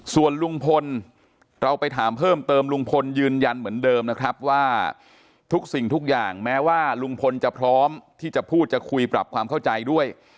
ส่วนลุงพลเราไปถามเพิ่มเติมลุงพลยืนยันเหมือนเดิมนะครับว่าทุกสิ่งทุกอย่างแม้ว่าลุงพลจะพร้อมที่จะพูดจะคุยปรับความเข้าใจด้วย